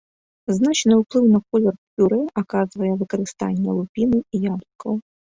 Значны ўплыў на колер пюрэ аказвае выкарыстанне лупіны яблыкаў.